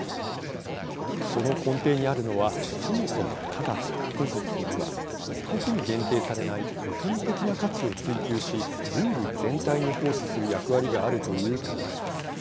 その根底にあるのはそもそも科学・学術には一国に限定されない普遍的な価値を追究し人類全体に奉仕する役割があるという考えです。